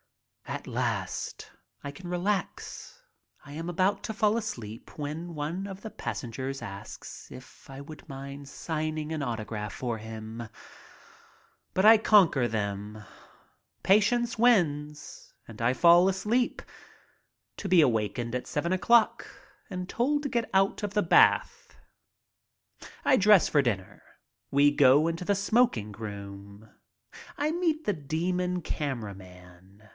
At last I can relax. I am about to fall asleep when one of the passengers asks if I would mind signing my autograph for him. But I conquer them. Patience wins and I fall asleep to be awakened at seven o'clock and told to get out of the bath. DAYS ON SHIPBOARD 31 I dress for dinner. We go into the smoking room. I meet the demon camera man.